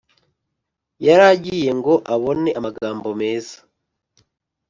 yaragiyengo abone amagambo meza